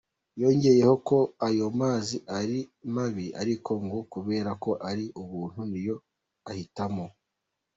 Yongeyeho ko ayo mazi ari mabi ariko ngo kubera ko ari ubuntu niyo ahitamo.